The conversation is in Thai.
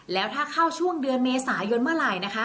แล้วถ้าเข้าช่วงเดือนเมษายนเมื่อไหร่นะคะ